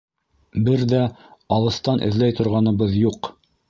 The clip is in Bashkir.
Бер ҙә алыҫтан эҙләй торғаныбыҙ юҡ.